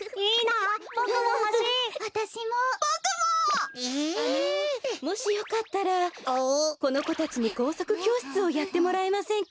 あのもしよかったらこのこたちにこうさくきょうしつをやってもらえませんか？